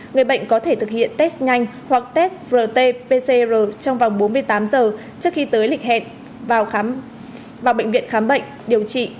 người bệnh có thể thực hiện test nhanh hoặc test rt pcr trong vòng bốn mươi tám giờ trước khi tới lịch hẹn vào bệnh viện khám bệnh điều trị